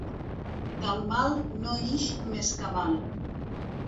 Del mal no ix més que mal.